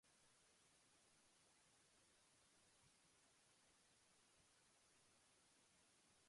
It emphasizes the importance of social interactions and cultural practices in shaping aggressive tendencies.